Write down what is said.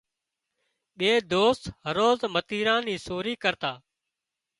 ٻي دوست هروز متيران ني سوري ڪرتا